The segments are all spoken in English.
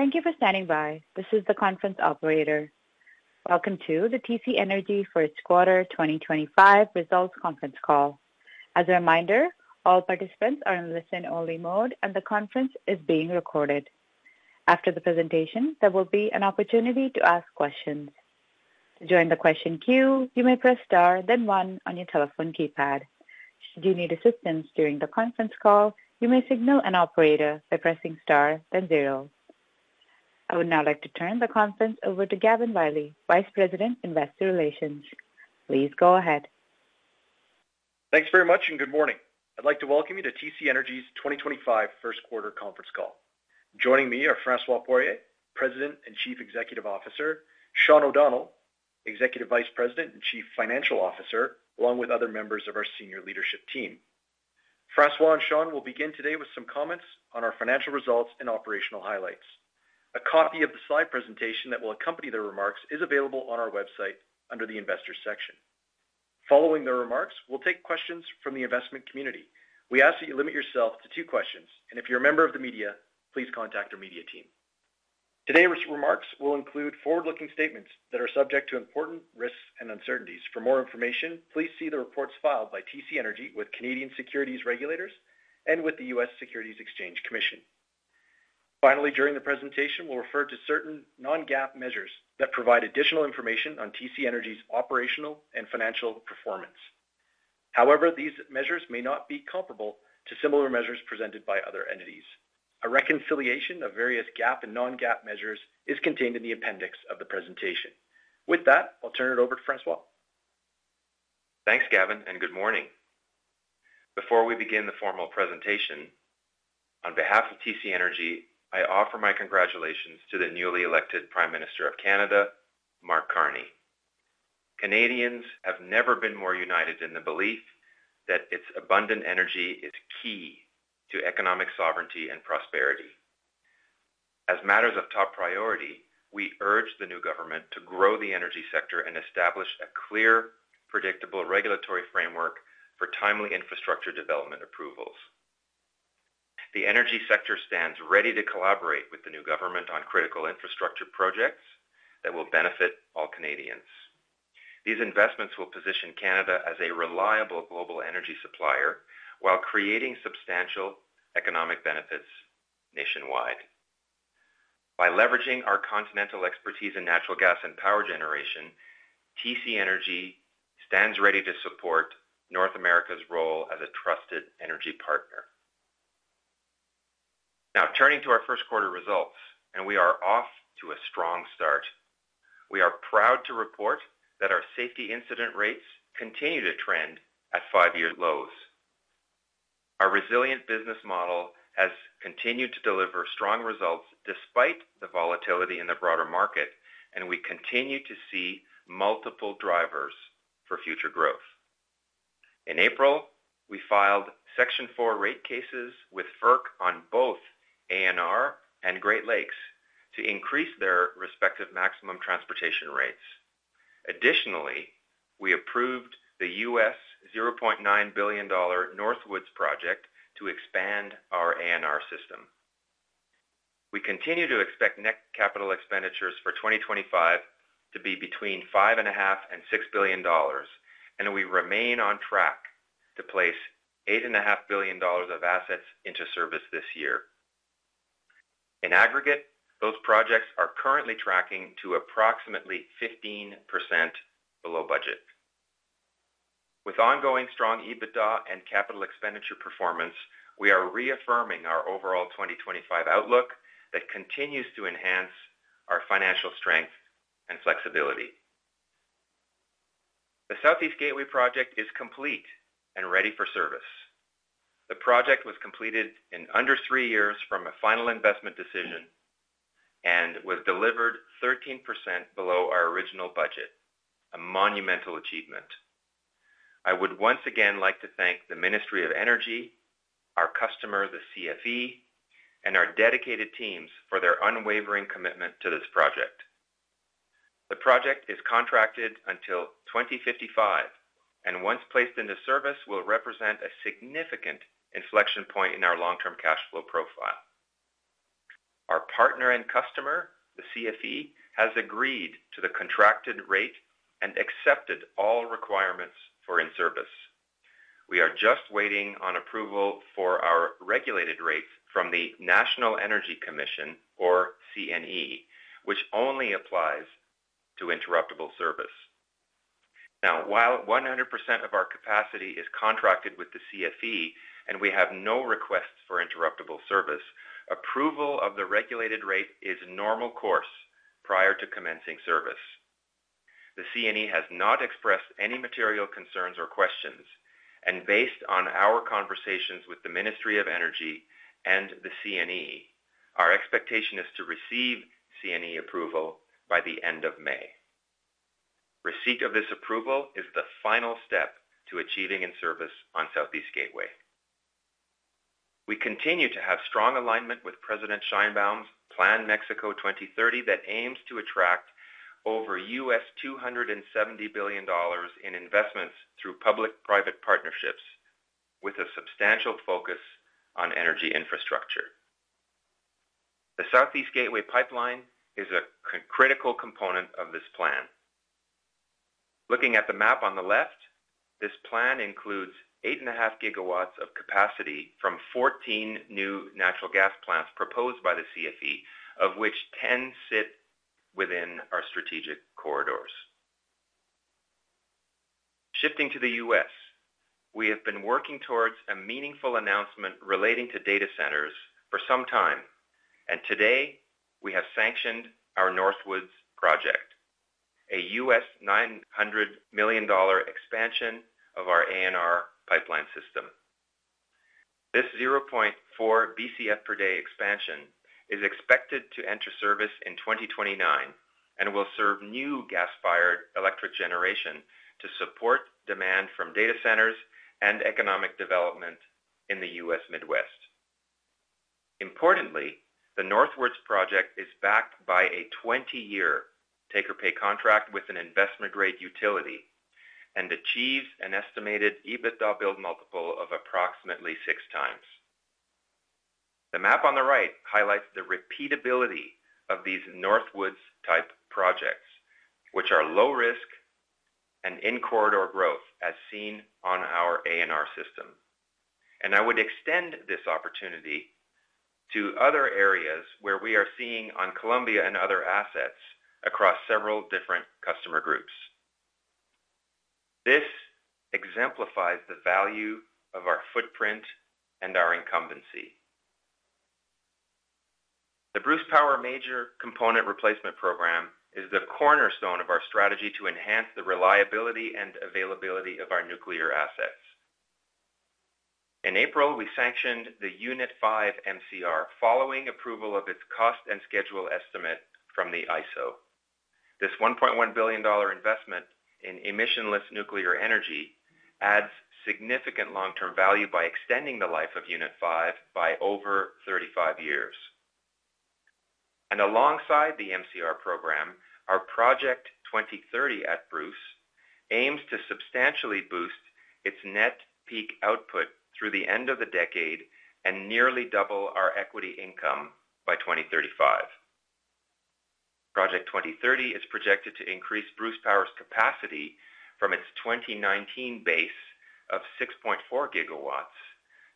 Thank you for standing by. This is the conference operator. Welcome to the TC Energy First Quarter 2025 Results Conference Call. As a reminder, all participants are in listen-only mode, and the conference is being recorded. After the presentation, there will be an opportunity to ask questions. To join the question queue, you may press star, then one, on your telephone keypad. Should you need assistance during the conference call, you may signal an operator by pressing star, then zero. I would now like to turn the conference over to Gavin Wylie, Vice President, Investor Relations. Please go ahead. Thanks very much, and good morning. I'd like to welcome you to TC Energy's 2025 First Quarter Conference Call. Joining me are François Poirier, President and Chief Executive Officer; Sean O'Donnell, Executive Vice President and Chief Financial Officer, along with other members of our senior leadership team. François and Sean will begin today with some comments on our financial results and operational highlights. A copy of the slide presentation that will accompany their remarks is available on our website under the Investors section. Following their remarks, we'll take questions from the investment community. We ask that you limit yourself to two questions, and if you're a member of the media, please contact our media team. Today's remarks will include forward-looking statements that are subject to important risks and uncertainties. For more information, please see the reports filed by TC Energy with Canadian securities regulators and with the U.S. Securities Exchange Commission. Finally, during the presentation, we'll refer to certain non-GAAP measures that provide additional information on TC Energy's operational and financial performance. However, these measures may not be comparable to similar measures presented by other entities. A reconciliation of various GAAP and non-GAAP measures is contained in the appendix of the presentation. With that, I'll turn it over to François. Thanks, Gavin, and good morning. Before we begin the formal presentation, on behalf of TC Energy, I offer my congratulations to the newly elected Prime Minister of Canada, Mark Carney. Canadians have never been more united in the belief that its abundant energy is key to economic sovereignty and prosperity. As matters of top priority, we urge the new government to grow the energy sector and establish a clear, predictable regulatory framework for timely infrastructure development approvals. The energy sector stands ready to collaborate with the new government on critical infrastructure projects that will benefit all Canadians. These investments will position Canada as a reliable global energy supplier while creating substantial economic benefits nationwide. By leveraging our continental expertise in natural gas and power generation, TC Energy stands ready to support North America's role as a trusted energy partner. Now, turning to our first quarter results, and we are off to a strong start. We are proud to report that our safety incident rates continue to trend at five-year lows. Our resilient business model has continued to deliver strong results despite the volatility in the broader market, and we continue to see multiple drivers for future growth. In April, we filed Section 4 rate cases with FERC on both ANR and Great Lakes to increase their respective maximum transportation rates. Additionally, we approved the 0.9 billion dollar Northwoods Project to expand our ANR system. We continue to expect net capital expenditures for 2025 to be between 5.5 billion and 6 billion dollars, and we remain on track to place 8.5 billion dollars of assets into service this year. In aggregate, those projects are currently tracking to approximately 15% below budget. With ongoing strong EBITDA and capital expenditure performance, we are reaffirming our overall 2025 outlook that continues to enhance our financial strength and flexibility. The Southeast Gateway project is complete and ready for service. The project was completed in under three years from a final investment decision and was delivered 13% below our original budget, a monumental achievement. I would once again like to thank the Ministry of Energy, our customer, the CFE, and our dedicated teams for their unwavering commitment to this project. The project is contracted until 2055, and once placed into service, will represent a significant inflection point in our long-term cash flow profile. Our partner and customer, the CFE, has agreed to the contracted rate and accepted all requirements for in-service. We are just waiting on approval for our regulated rates from the National Energy Commission, or CNE, which only applies to interruptible service. Now, while 100% of our capacity is contracted with the CFE and we have no requests for interruptible service, approval of the regulated rate is normal course prior to commencing service. The CNE has not expressed any material concerns or questions, and based on our conversations with the Ministry of Energy and the CNE, our expectation is to receive CNE approval by the end of May. Receipt of this approval is the final step to achieving in-service on Southeast Gateway. We continue to have strong alignment with President Sheinbaum's Plan Mexico 2030 that aims to attract over $270 billion in investments through public-private partnerships, with a substantial focus on energy infrastructure. The Southeast Gateway pipeline is a critical component of this plan. Looking at the map on the left, this plan includes 8.5 gigawatts of capacity from 14 new natural gas plants proposed by the CFE, of which 10 sit within our strategic corridors. Shifting to the U.S., we have been working towards a meaningful announcement relating to data centers for some time, and today we have sanctioned our Northwoods project, a 900 million dollar expansion of our ANR pipeline system. This 0.4 BCF per day expansion is expected to enter service in 2029 and will serve new gas-fired electric generation to support demand from data centers and economic development in the U.S. Midwest. Importantly, the Northwoods project is backed by a 20-year take-or-pay contract with an investment-grade utility and achieves an estimated EBITDA build multiple of approximately six times. The map on the right highlights the repeatability of these Northwoods-type projects, which are low-risk and in-corridor growth, as seen on our ANR system. I would extend this opportunity to other areas where we are seeing on Columbia and other assets across several different customer groups. This exemplifies the value of our footprint and our incumbency. The Bruce Power Major Component Replacement Program is the cornerstone of our strategy to enhance the reliability and availability of our nuclear assets. In April, we sanctioned the Unit 5 MCR following approval of its cost and schedule estimate from the IESO. This 1.1 billion dollar investment in emissionless nuclear energy adds significant long-term value by extending the life of Unit 5 by over 35 years. Alongside the MCR program, our Project 2030 at Bruce aims to substantially boost its net peak output through the end of the decade and nearly double our equity income by 2035. Project 2030 is projected to increase Bruce Power's capacity from its 2019 base of 6.4 gigawatts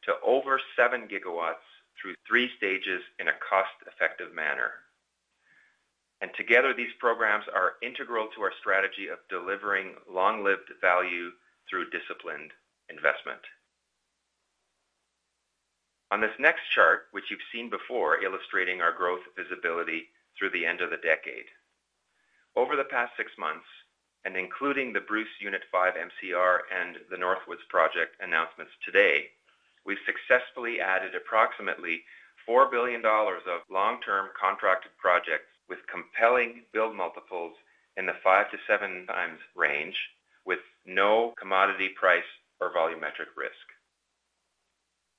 to over 7 gigawatts through three stages in a cost-effective manner. Together, these programs are integral to our strategy of delivering long-lived value through disciplined investment. On this next chart, which you've seen before, illustrating our growth visibility through the end of the decade. Over the past six months, and including the Bruce Unit 5 MCR and the Northwoods project announcements today, we've successfully added approximately 4 billion dollars of long-term contracted projects with compelling build multiples in the 5-7 times range, with no commodity price or volumetric risk.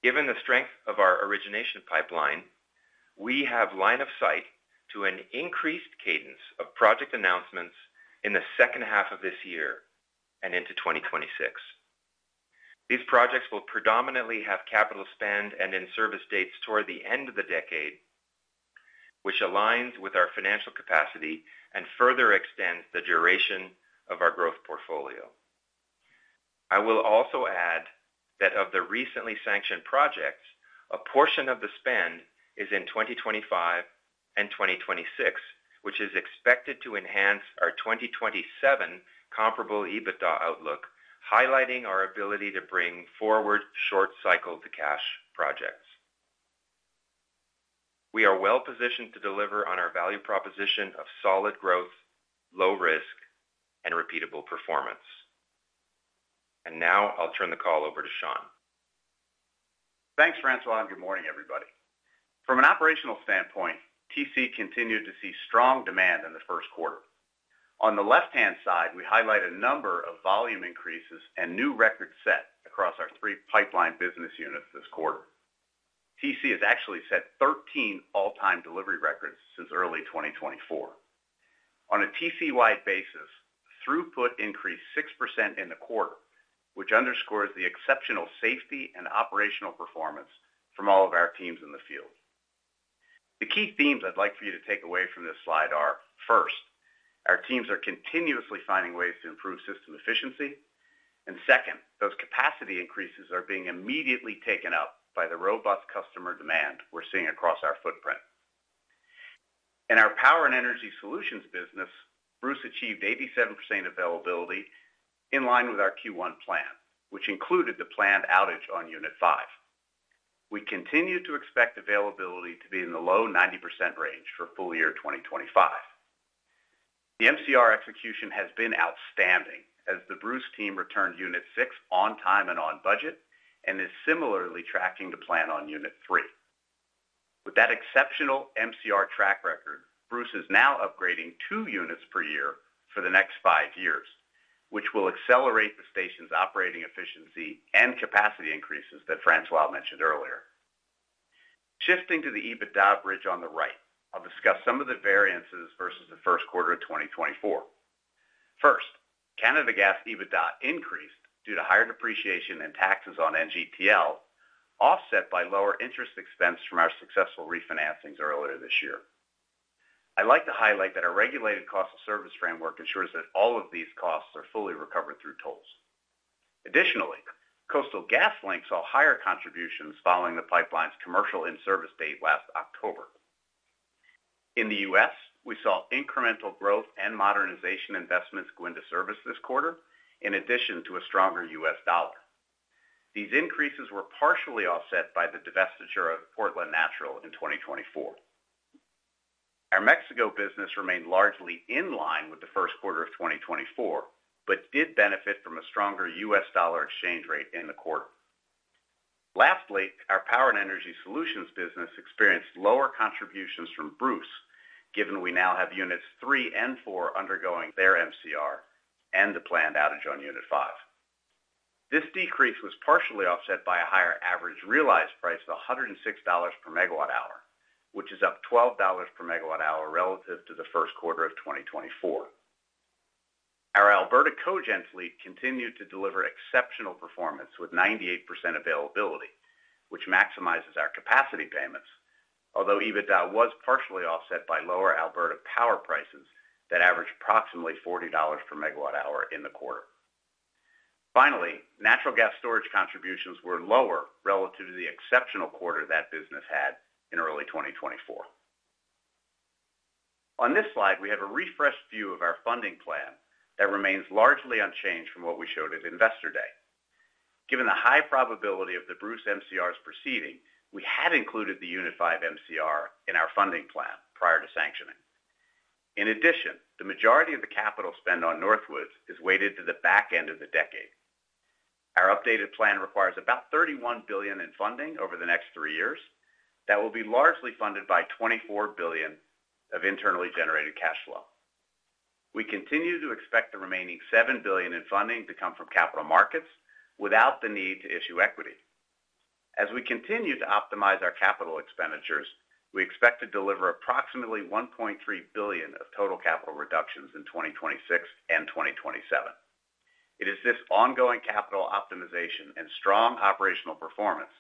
Given the strength of our origination pipeline, we have line of sight to an increased cadence of project announcements in the second half of this year and into 2026. These projects will predominantly have capital spend and in-service dates toward the end of the decade, which aligns with our financial capacity and further extends the duration of our growth portfolio. I will also add that of the recently sanctioned projects, a portion of the spend is in 2025 and 2026, which is expected to enhance our 2027 comparable EBITDA outlook, highlighting our ability to bring forward short-cycle to cash projects. We are well-positioned to deliver on our value proposition of solid growth, low risk, and repeatable performance. I will now turn the call over to Sean. Thanks, François, and good morning, everybody. From an operational standpoint, TC continued to see strong demand in the first quarter. On the left-hand side, we highlight a number of volume increases and new records set across our three pipeline business units this quarter. TC has actually set 13 all-time delivery records since early 2024. On a TC-wide basis, throughput increased 6% in the quarter, which underscores the exceptional safety and operational performance from all of our teams in the field. The key themes I'd like for you to take away from this slide are, first, our teams are continuously finding ways to improve system efficiency, and second, those capacity increases are being immediately taken up by the robust customer demand we're seeing across our footprint. In our power and energy solutions business, Bruce achieved 87% availability in line with our Q1 plan, which included the planned outage on Unit 5. We continue to expect availability to be in the low 90% range for full year 2025. The MCR execution has been outstanding as the Bruce team returned Unit 6 on time and on budget and is similarly tracking the plan on Unit 3. With that exceptional MCR track record, Bruce is now upgrading two units per year for the next five years, which will accelerate the station's operating efficiency and capacity increases that François mentioned earlier. Shifting to the EBITDA bridge on the right, I'll discuss some of the variances versus the first quarter of 2024. First, Canada Gas EBITDA increased due to higher depreciation and taxes on NGTL, offset by lower interest expense from our successful refinancings earlier this year. I'd like to highlight that our regulated cost of service framework ensures that all of these costs are fully recovered through tolls. Additionally, Coastal GasLink saw higher contributions following the pipeline's commercial in-service date last October. In the U.S., we saw incremental growth and modernization investments go into service this quarter, in addition to a stronger U.S. dollar. These increases were partially offset by the divestiture of Portland Natural Gas Transmission System in 2024. Our Mexico business remained largely in line with the first quarter of 2024, but did benefit from a stronger U.S. dollar exchange rate in the quarter. Lastly, our power and energy solutions business experienced lower contributions from Bruce Power, given we now have Units 3 and 4 undergoing their Major Component Replacement and the planned outage on Unit 5. This decrease was partially offset by a higher average realized price of $106 per megawatt hour, which is up $12 per megawatt hour relative to the first quarter of 2024. Our Alberta Cogent fleet continued to deliver exceptional performance with 98% availability, which maximizes our capacity payments, although EBITDA was partially offset by lower Alberta power prices that averaged approximately 40 dollars per megawatt hour in the quarter. Finally, natural gas storage contributions were lower relative to the exceptional quarter that business had in early 2024. On this slide, we have a refreshed view of our funding plan that remains largely unchanged from what we showed at investor day. Given the high probability of the Bruce MCRs proceeding, we had included the Unit 5 MCR in our funding plan prior to sanctioning. In addition, the majority of the capital spend on Northwoods is weighted to the back end of the decade. Our updated plan requires about 31 billion in funding over the next three years that will be largely funded by 24 billion of internally generated cash flow. We continue to expect the remaining 7 billion in funding to come from capital markets without the need to issue equity. As we continue to optimize our capital expenditures, we expect to deliver approximately 1.3 billion of total capital reductions in 2026 and 2027. It is this ongoing capital optimization and strong operational performance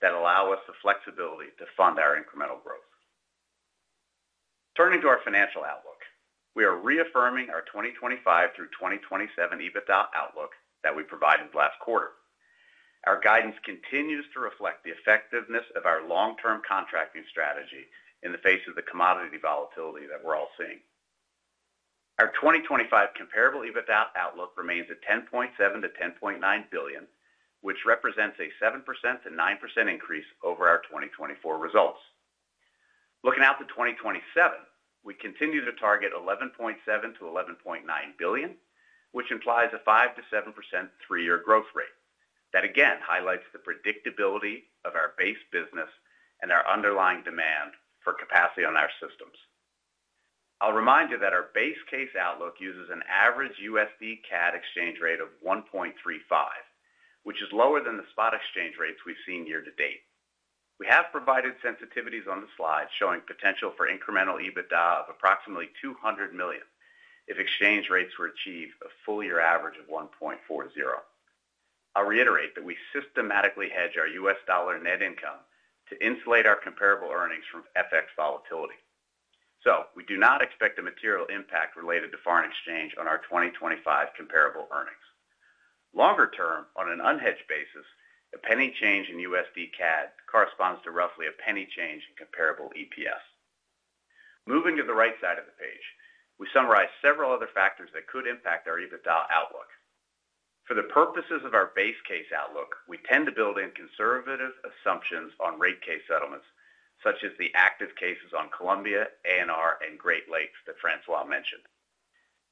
that allow us the flexibility to fund our incremental growth. Turning to our financial outlook, we are reaffirming our 2025 through 2027 EBITDA outlook that we provided last quarter. Our guidance continues to reflect the effectiveness of our long-term contracting strategy in the face of the commodity volatility that we're all seeing. Our 2025 comparable EBITDA outlook remains at 10.7-10.9 billion, which represents a 7%-9% increase over our 2024 results. Looking out to 2027, we continue to target 11.7-11.9 billion, which implies a 5%-7% three-year growth rate. That, again, highlights the predictability of our base business and our underlying demand for capacity on our systems. I'll remind you that our base case outlook uses an average USD-CAD exchange rate of 1.35, which is lower than the spot exchange rates we've seen year to date. We have provided sensitivities on the slide showing potential for incremental EBITDA of approximately $200 million if exchange rates were achieved a full year average of 1.40. I'll reiterate that we systematically hedge our U.S. dollar net income to insulate our comparable earnings from FX volatility. We do not expect a material impact related to foreign exchange on our 2025 comparable earnings. Longer term, on an unhedged basis, a penny change in USD-CAD corresponds to roughly a penny change in comparable EPS. Moving to the right side of the page, we summarize several other factors that could impact our EBITDA outlook. For the purposes of our base case outlook, we tend to build in conservative assumptions on rate case settlements, such as the active cases on Columbia, ANR, and Great Lakes that François mentioned.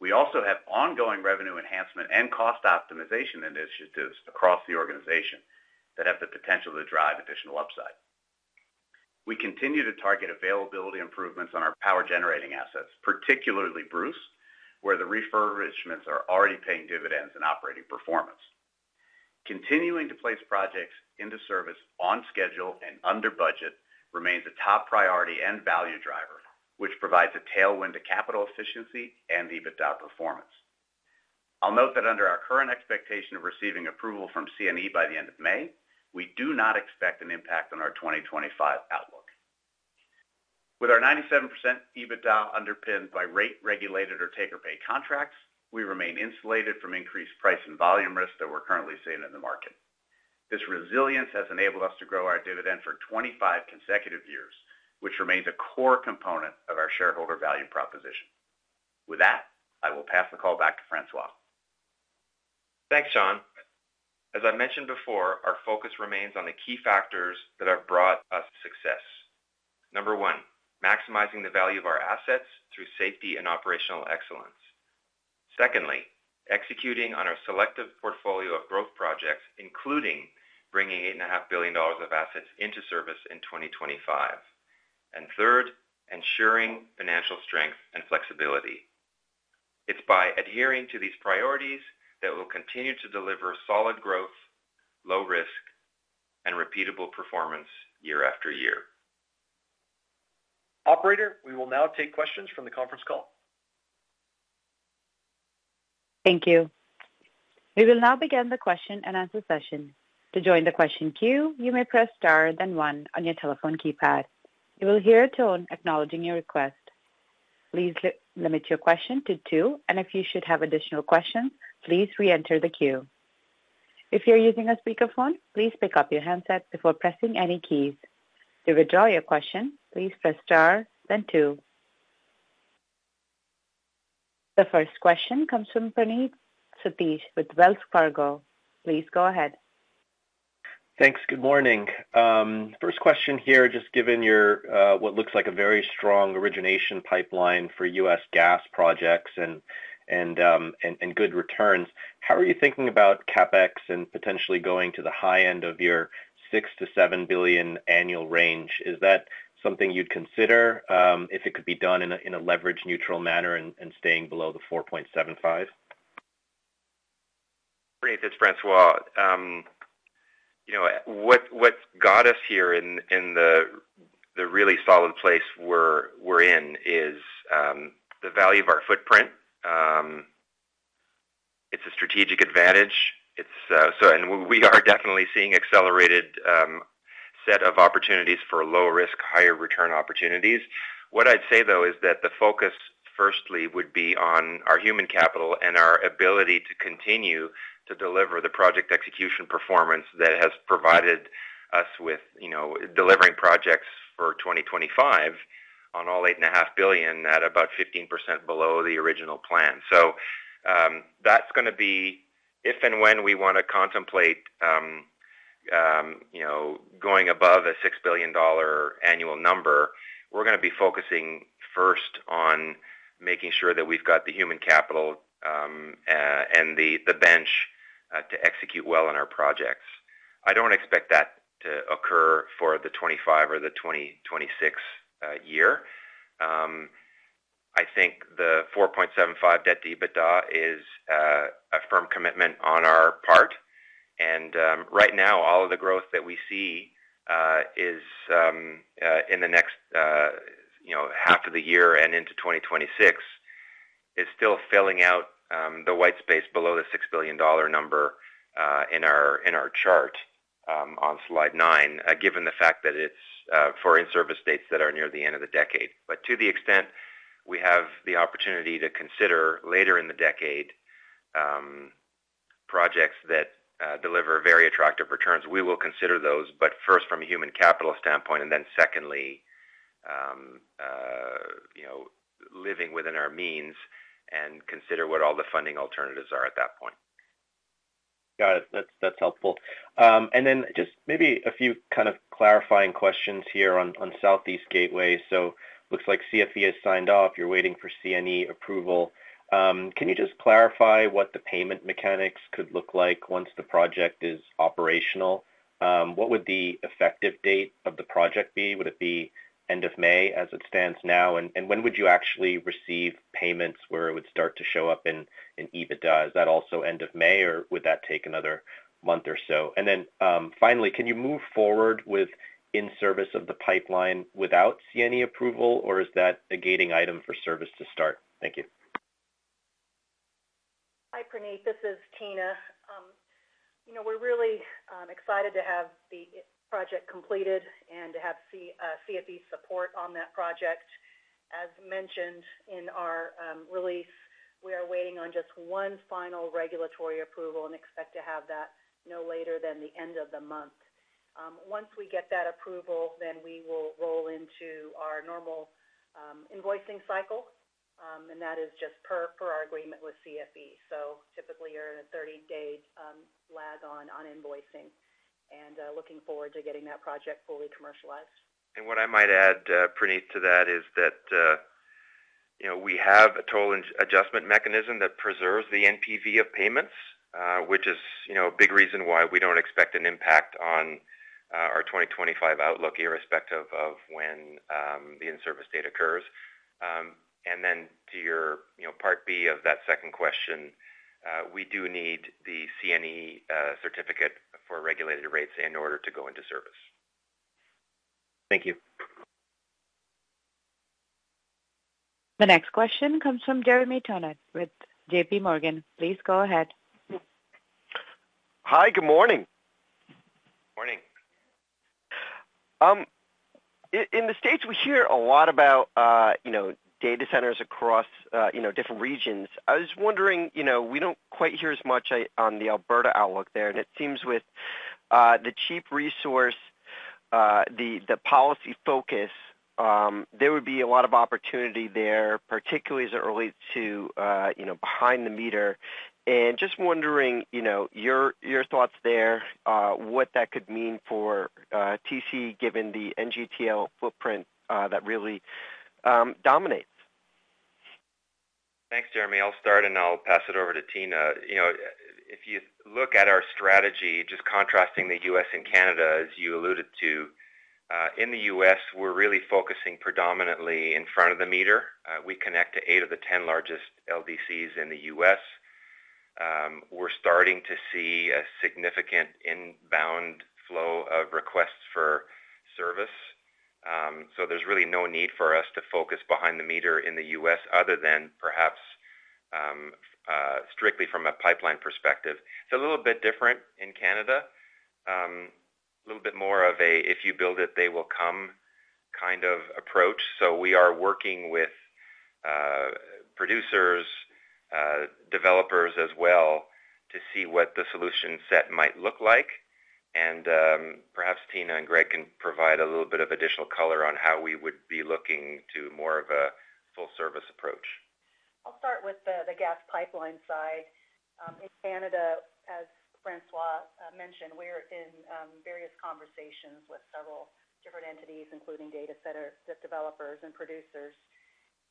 We also have ongoing revenue enhancement and cost optimization initiatives across the organization that have the potential to drive additional upside. We continue to target availability improvements on our power generating assets, particularly Bruce, where the refurbishments are already paying dividends in operating performance. Continuing to place projects into service on schedule and under budget remains a top priority and value driver, which provides a tailwind to capital efficiency and EBITDA performance. I'll note that under our current expectation of receiving approval from CNE by the end of May, we do not expect an impact on our 2025 outlook. With our 97% EBITDA underpinned by rate-regulated or take-or-pay contracts, we remain insulated from increased price and volume risk that we're currently seeing in the market. This resilience has enabled us to grow our dividend for 25 consecutive years, which remains a core component of our shareholder value proposition. With that, I will pass the call back to François. Thanks, Sean. As I mentioned before, our focus remains on the key factors that have brought us success. Number one, maximizing the value of our assets through safety and operational excellence. Secondly, executing on our selective portfolio of growth projects, including bringing 8.5 billion dollars of assets into service in 2025. Third, ensuring financial strength and flexibility. It is by adhering to these priorities that we will continue to deliver solid growth, low risk, and repeatable performance year after year. Operator, we will now take questions from the conference call. Thank you. We will now begin the question and answer session. To join the question queue, you may press star then one on your telephone keypad. You will hear a tone acknowledging your request. Please limit your question to two, and if you should have additional questions, please re-enter the queue. If you're using a speakerphone, please pick up your handset before pressing any keys. To withdraw your question, please press star then two. The first question comes from Praneeth Satish with Wells Fargo. Please go ahead. Thanks. Good morning. First question here, just given your what looks like a very strong origination pipeline for U.S. gas projects and good returns, how are you thinking about CapEx and potentially going to the high end of your 6 billion-7 billion annual range? Is that something you'd consider if it could be done in a leverage-neutral manner and staying below the 4.75? Praneeth, it's François. What has got us here in the really solid place we are in is the value of our footprint. It is a strategic advantage. We are definitely seeing an accelerated set of opportunities for low-risk, higher-return opportunities. What I would say, though, is that the focus firstly would be on our human capital and our ability to continue to deliver the project execution performance that has provided us with delivering projects for 2025 on all 8.5 billion at about 15% below the original plan. That is going to be if and when we want to contemplate going above a 6 billion dollar annual number, we are going to be focusing first on making sure that we have the human capital and the bench to execute well on our projects. I do not expect that to occur for the 2025 or the 2026 year. I think the 4.75 debt to EBITDA is a firm commitment on our part. Right now, all of the growth that we see in the next half of the year and into 2026 is still filling out the white space below the 6 billion dollar number in our chart on slide nine, given the fact that it is for in-service dates that are near the end of the decade. To the extent we have the opportunity to consider later in the decade projects that deliver very attractive returns, we will consider those, first from a human capital standpoint, and then secondly, living within our means and consider what all the funding alternatives are at that point. Got it. That's helpful. Just maybe a few kind of clarifying questions here on Southeast Gateway. It looks like CFE has signed off. You're waiting for CNE approval. Can you just clarify what the payment mechanics could look like once the project is operational? What would the effective date of the project be? Would it be end of May as it stands now? When would you actually receive payments where it would start to show up in EBITDA? Is that also end of May, or would that take another month or so? Finally, can you move forward with in-service of the pipeline without CNE approval, or is that a gating item for service to start? Thank you. Hi, Praneeth. This is Tina. We're really excited to have the project completed and to have CFE support on that project. As mentioned in our release, we are waiting on just one final regulatory approval and expect to have that no later than the end of the month. Once we get that approval, we will roll into our normal invoicing cycle, and that is just per our agreement with CFE. Typically, you're in a 30-day lag on invoicing and looking forward to getting that project fully commercialized. What I might add, Praneeth, to that is that we have a total adjustment mechanism that preserves the NPV of payments, which is a big reason why we do not expect an impact on our 2025 outlook irrespective of when the in-service date occurs. To your part B of that second question, we do need the CNE certificate for regulated rates in order to go into service. Thank you. The next question comes from Jeremy Tonet with J.P. Morgan. Please go ahead. Hi, good morning. Morning. In the States, we hear a lot about data centers across different regions. I was wondering, we do not quite hear as much on the Alberta outlook there. It seems with the cheap resource, the policy focus, there would be a lot of opportunity there, particularly as it relates to behind the meter. I am just wondering your thoughts there, what that could mean for TC given the NGTL footprint that really dominates. Thanks, Jeremy. I'll start and I'll pass it over to Tina. If you look at our strategy, just contrasting the U.S. and Canada, as you alluded to, in the U.S., we're really focusing predominantly in front of the meter. We connect to eight of the ten largest LDCs in the U.S. We're starting to see a significant inbound flow of requests for service. There is really no need for us to focus behind the meter in the U.S. other than perhaps strictly from a pipeline perspective. It is a little bit different in Canada, a little bit more of a, "If you build it, they will come," kind of approach. We are working with producers, developers as well to see what the solution set might look like. Perhaps Tina and Greg can provide a little bit of additional color on how we would be looking to more of a full-service approach. I'll start with the gas pipeline side. In Canada, as François mentioned, we're in various conversations with several different entities, including data center developers and producers.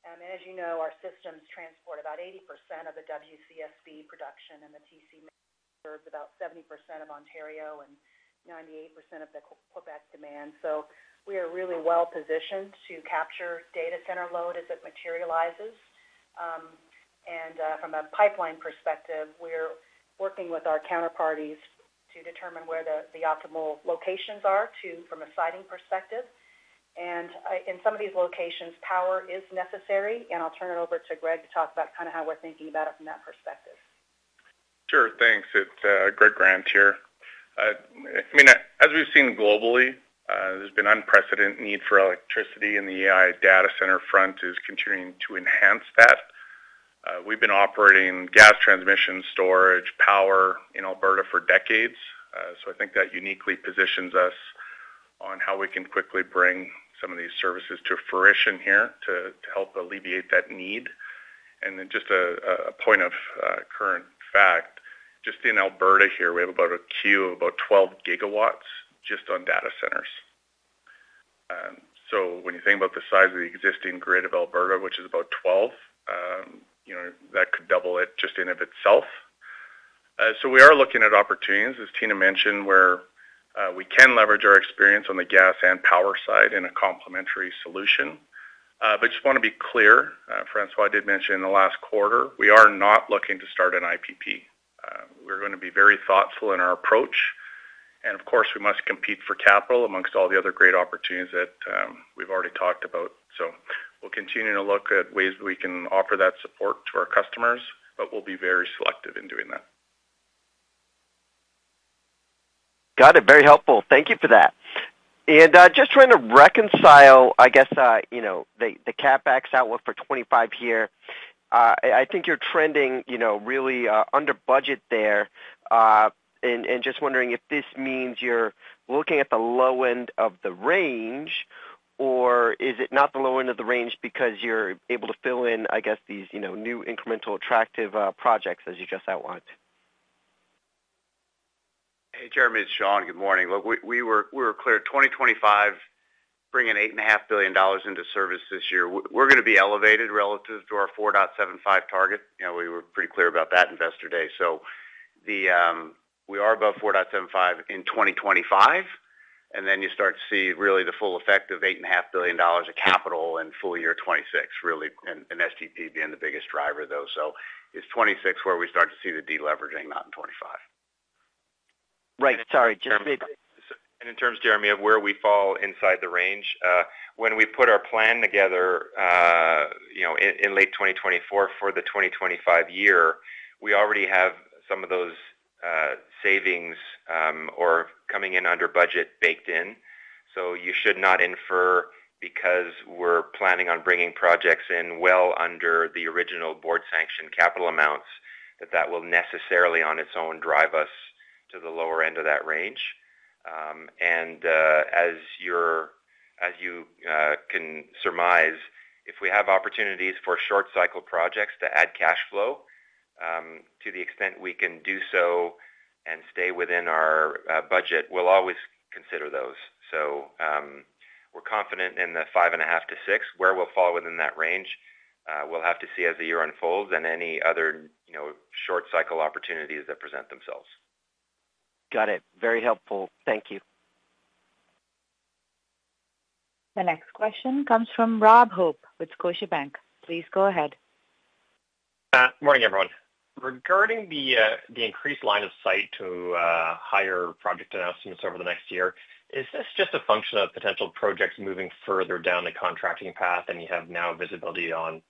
As you know, our systems transport about 80% of the WCSB production and TC serves about 70% of Ontario and 98% of the Quebec demand. We are really well positioned to capture data center load as it materializes. From a pipeline perspective, we're working with our counterparties to determine where the optimal locations are from a siting perspective. In some of these locations, power is necessary. I'll turn it over to Greg to talk about kind of how we're thinking about it from that perspective. Sure. Thanks. It's Greg Grant here. I mean, as we've seen globally, there's been an unprecedented need for electricity, and the AI data center front is continuing to enhance that. We've been operating gas transmission storage power in Alberta for decades. I think that uniquely positions us on how we can quickly bring some of these services to fruition here to help alleviate that need. Just a point of current fact, just in Alberta here, we have about a queue of about 12 gigawatts just on data centers. When you think about the size of the existing grid of Alberta, which is about 12, that could double it just in and of itself. We are looking at opportunities, as Tina mentioned, where we can leverage our experience on the gas and power side in a complementary solution. I just want to be clear, François did mention in the last quarter, we are not looking to start an IPP. We are going to be very thoughtful in our approach. Of course, we must compete for capital amongst all the other great opportunities that we have already talked about. We will continue to look at ways we can offer that support to our customers, but we will be very selective in doing that. Got it. Very helpful. Thank you for that. Just trying to reconcile, I guess, the CapEx outlook for 2025 here. I think you're trending really under budget there. Just wondering if this means you're looking at the low end of the range, or is it not the low end of the range because you're able to fill in, I guess, these new incremental attractive projects as you just outlined? Hey, Jeremy. It's Sean. Good morning. Look, we were clear 2025, bringing $8.5 billion into service this year. We are going to be elevated relative to our $4.75 target. We were pretty clear about that investor day. We are above 4.75 in 2025. You start to see really the full effect of 8.5 billion dollars of capital in full year 2026, really, and STP being the biggest driver, though. It is 2026 where we start to see the deleveraging, not in 2025. Right. Sorry. Just big. In terms, Jeremy, of where we fall inside the range, when we put our plan together in late 2024 for the 2025 year, we already have some of those savings or coming in under budget baked in. You should not infer because we're planning on bringing projects in well under the original board-sanctioned capital amounts that that will necessarily, on its own, drive us to the lower end of that range. As you can surmise, if we have opportunities for short-cycle projects to add cash flow, to the extent we can do so and stay within our budget, we'll always consider those. We are confident in the five and a half to six. Where we'll fall within that range, we'll have to see as the year unfolds and any other short-cycle opportunities that present themselves. Got it. Very helpful. Thank you. The next question comes from Rob Hope with Scotiabank. Please go ahead. Morning, everyone. Regarding the increased line of sight to higher project announcements over the next year, is this just a function of potential projects moving further down the contracting path and you have now visibility on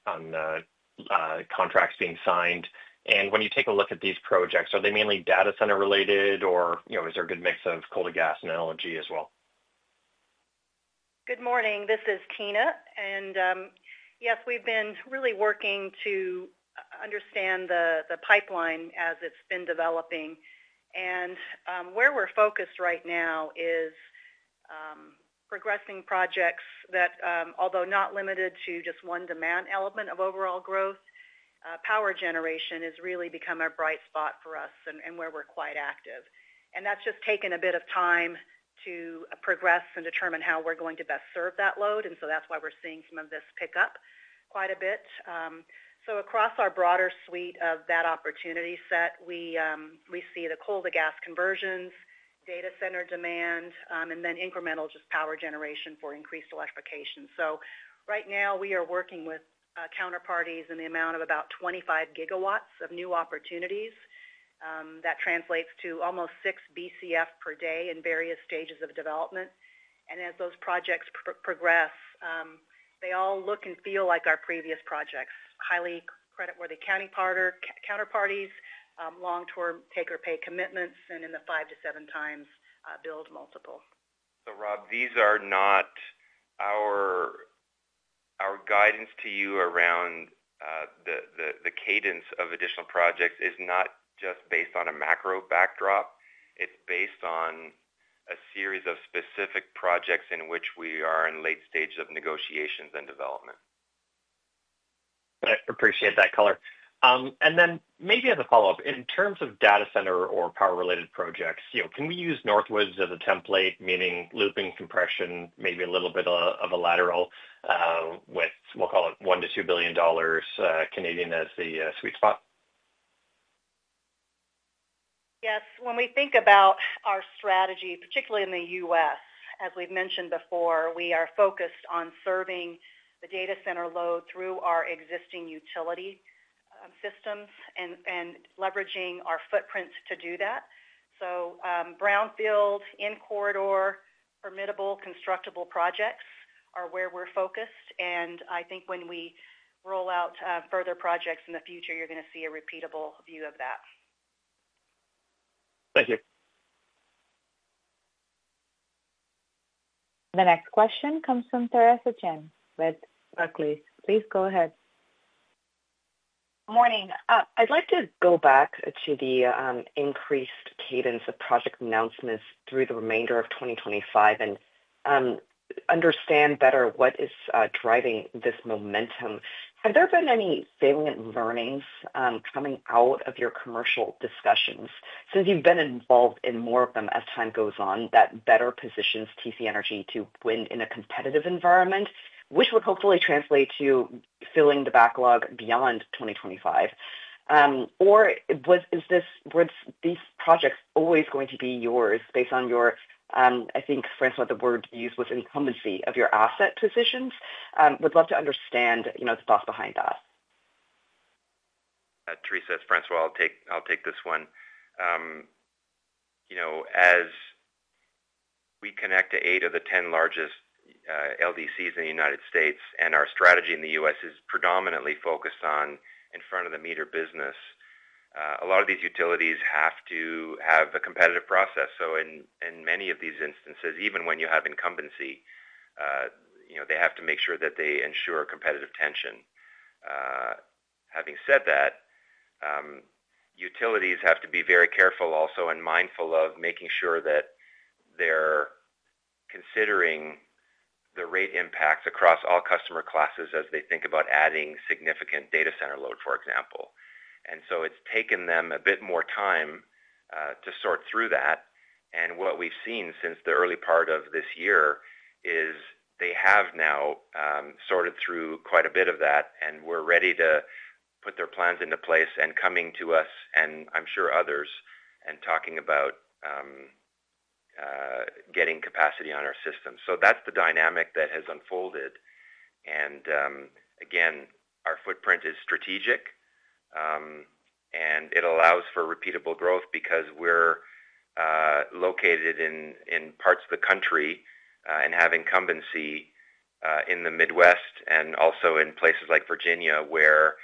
contracts being signed? When you take a look at these projects, are they mainly data center related, or is there a good mix of coal to gas analogy as well? Good morning. This is Tina. Yes, we've been really working to understand the pipeline as it's been developing. Where we're focused right now is progressing projects that, although not limited to just one demand element of overall growth, power generation has really become a bright spot for us and where we're quite active. That's just taken a bit of time to progress and determine how we're going to best serve that load. That's why we're seeing some of this pick up quite a bit. Across our broader suite of that opportunity set, we see the coal to gas conversions, data center demand, and then incremental just power generation for increased electrification. Right now, we are working with counterparties in the amount of about 25 gigawatts of new opportunities. That translates to almost 6 BCF per day in various stages of development. As those projects progress, they all look and feel like our previous projects. Highly creditworthy counterparties, long-term take-or-pay commitments, and in the five- to seven-times build multiple. Rob, these are not our guidance to you around the cadence of additional projects is not just based on a macro backdrop. It's based on a series of specific projects in which we are in late stages of negotiations and development. I appreciate that color. Maybe as a follow-up, in terms of data center or power-related projects, can we use Northwoods as a template, meaning looping compression, maybe a little bit of a lateral with, we'll call it, 1 billion-2 billion dollars as the sweet spot? Yes. When we think about our strategy, particularly in the U.S., as we've mentioned before, we are focused on serving the data center load through our existing utility systems and leveraging our footprint to do that. Brownfield, in-corridor, permittable, constructible projects are where we're focused. I think when we roll out further projects in the future, you're going to see a repeatable view of that. Thank you. The next question comes from Theresa Chen with Barclays. Please go ahead. Morning. I'd like to go back to the increased cadence of project announcements through the remainder of 2025 and understand better what is driving this momentum. Have there been any salient learnings coming out of your commercial discussions? Since you've been involved in more of them as time goes on, that better positions TC Energy to win in a competitive environment, which would hopefully translate to filling the backlog beyond 2025. Or are these projects always going to be yours based on your, I think, François, the word you used was incumbency of your asset positions? Would love to understand the thoughts behind that. Theresa and François, I'll take this one. As we connect to eight of the ten largest LDCs in the U.S., and our strategy in the U.S. is predominantly focused on in front of the meter business, a lot of these utilities have to have a competitive process. In many of these instances, even when you have incumbency, they have to make sure that they ensure competitive tension. Having said that, utilities have to be very careful also and mindful of making sure that they're considering the rate impacts across all customer classes as they think about adding significant data center load, for example. It has taken them a bit more time to sort through that. What we've seen since the early part of this year is they have now sorted through quite a bit of that, and we're ready to put their plans into place and coming to us, and I'm sure others, and talking about getting capacity on our systems. That's the dynamic that has unfolded. Again, our footprint is strategic, and it allows for repeatable growth because we're located in parts of the country and have incumbency in the Midwest and also in places like Virginia where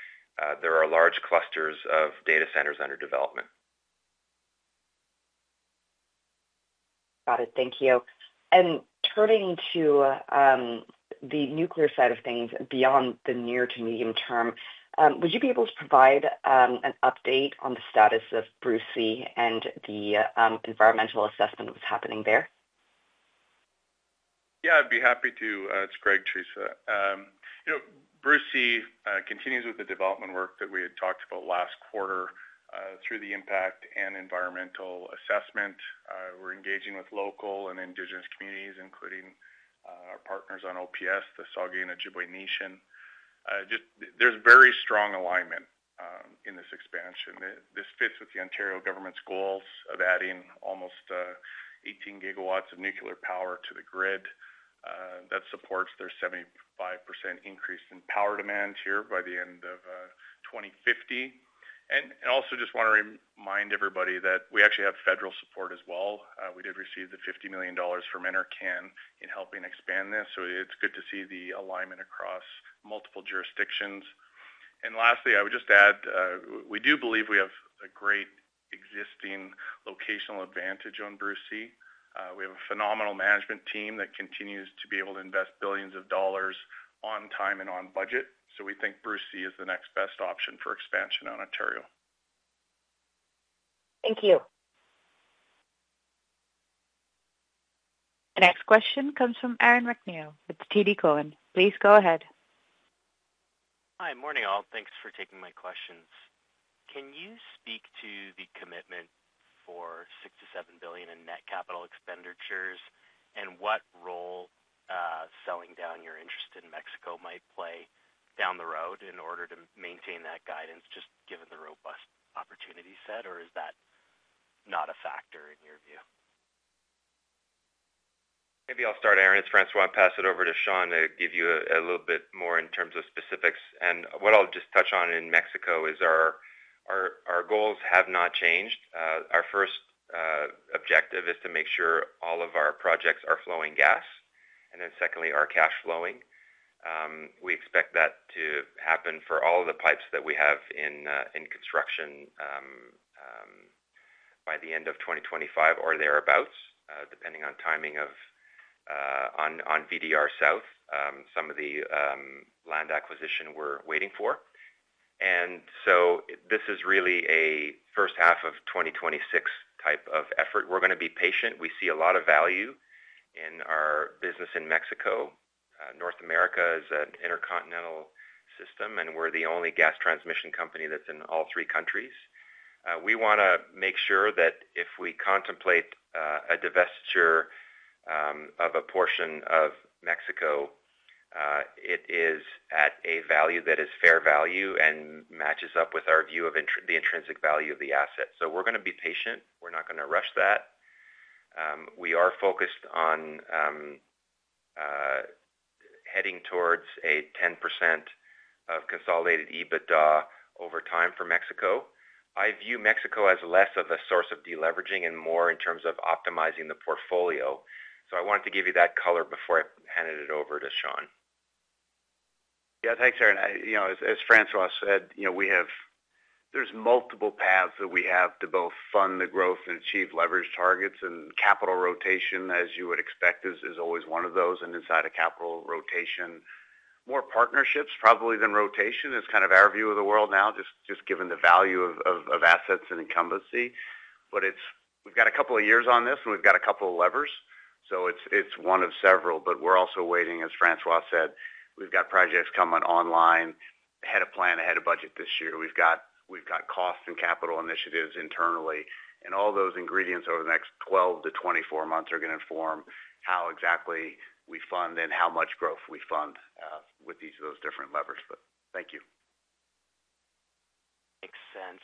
there are large clusters of data centers under development. Got it. Thank you. Turning to the nuclear side of things beyond the near to medium term, would you be able to provide an update on the status of Bruce Power and the environmental assessment that's happening there? Yeah, I'd be happy to. It's Greg, Theresa. Bruce Power continues with the development work that we had talked about last quarter through the impact and environmental assessment. We're engaging with local and Indigenous communities, including our partners on OPS, the Saugeen Ojibwe Nation. There's very strong alignment in this expansion. This fits with the Ontario government's goals of adding almost 18 gigawatts of nuclear power to the grid. That supports their 75% increase in power demand here by the end of 2050. I also just want to remind everybody that we actually have federal support as well. We did receive the 50 million dollars from NRCan in helping expand this. It's good to see the alignment across multiple jurisdictions. Lastly, I would just add we do believe we have a great existing locational advantage on Bruce Power. We have a phenomenal management team that continues to be able to invest billions of dollars on time and on budget. We think Bruce Power is the next best option for expansion in Ontario. Thank you. The next question comes from Aaron McNeill with TD Cowen. Please go ahead. Hi, morning all. Thanks for taking my questions. Can you speak to the commitment for 6 billion-7 billion in net capital expenditures and what role selling down your interest in Mexico might play down the road in order to maintain that guidance, just given the robust opportunity set? Is that not a factor in your view? Maybe I'll start, Aaron. It's François. I'll pass it over to Sean to give you a little bit more in terms of specifics. What I'll just touch on in Mexico is our goals have not changed. Our first objective is to make sure all of our projects are flowing gas. Then secondly, our cash flowing. We expect that to happen for all of the pipes that we have in construction by the end of 2025 or thereabouts, depending on timing on VDR South, some of the land acquisition we're waiting for. This is really a first half of 2026 type of effort. We're going to be patient. We see a lot of value in our business in Mexico. North America is an intercontinental system, and we're the only gas transmission company that's in all three countries. We want to make sure that if we contemplate a divestiture of a portion of Mexico, it is at a value that is fair value and matches up with our view of the intrinsic value of the asset. We are going to be patient. We are not going to rush that. We are focused on heading towards a 10% of consolidated EBITDA over time for Mexico. I view Mexico as less of a source of deleveraging and more in terms of optimizing the portfolio. I wanted to give you that color before I handed it over to Sean. Yeah, thanks, Aaron. As François said, there's multiple paths that we have to both fund the growth and achieve leverage targets. Capital rotation, as you would expect, is always one of those. Inside a capital rotation, more partnerships probably than rotation is kind of our view of the world now, just given the value of assets and incumbency. We've got a couple of years on this, and we've got a couple of levers. It is one of several. We're also waiting, as François said, we've got projects coming online, ahead of plan, ahead of budget this year. We've got costs and capital initiatives internally. All those ingredients over the next 12-24 months are going to inform how exactly we fund and how much growth we fund with each of those different levers. Thank you. Makes sense.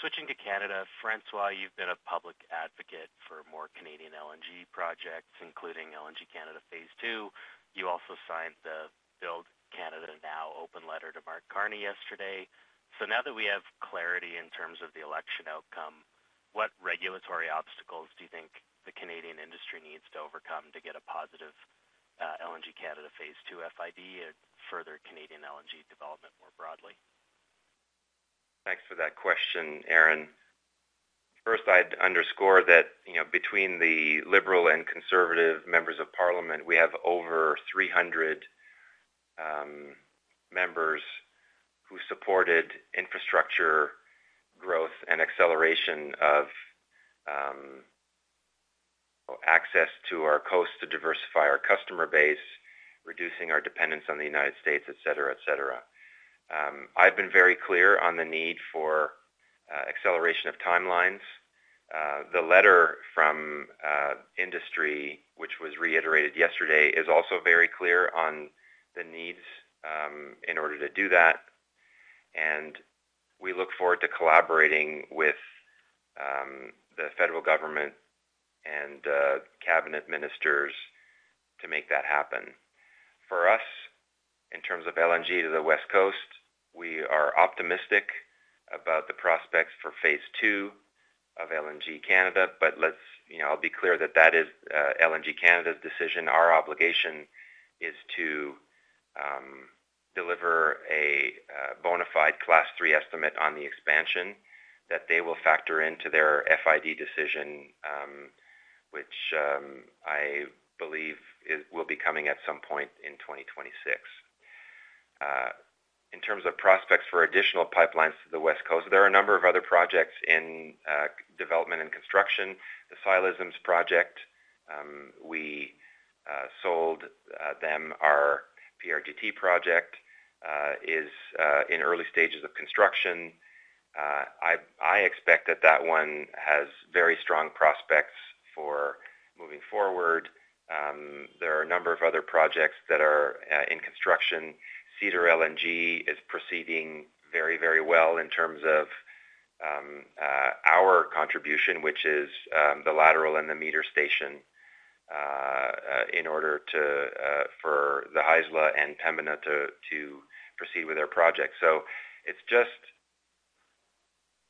Switching to Canada, François, you've been a public advocate for more Canadian LNG projects, including LNG Canada Phase II. You also signed the Build Canada Now open letter to Mark Carney yesterday. Now that we have clarity in terms of the election outcome, what regulatory obstacles do you think the Canadian industry needs to overcome to get a positive LNG Canada Phase II FID and further Canadian LNG development more broadly? Thanks for that question, Aaron. First, I'd underscore that between the Liberal and Conservative members of Parliament, we have over 300 members who supported infrastructure growth and acceleration of access to our coast to diversify our customer base, reducing our dependence on the United States, etc., etc. I've been very clear on the need for acceleration of timelines. The letter from industry, which was reiterated yesterday, is also very clear on the needs in order to do that. We look forward to collaborating with the federal government and cabinet ministers to make that happen. For us, in terms of LNG to the West Coast, we are optimistic about the prospects for phase II of LNG Canada. I'll be clear that that is LNG Canada's decision. Our obligation is to deliver a bona fide Class III estimate on the expansion that they will factor into their FID decision, which I believe will be coming at some point in 2026. In terms of prospects for additional pipelines to the West Coast, there are a number of other projects in development and construction. The Shell's project, we sold them our PRGT project, is in early stages of construction. I expect that that one has very strong prospects for moving forward. There are a number of other projects that are in construction. Cedar LNG is proceeding very, very well in terms of our contribution, which is the lateral and the meter station in order for the Haisla and Pembina to proceed with their projects. It is just